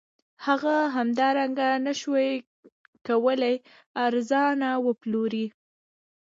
هغه همدارنګه نشوای کولی ارزان وپلوري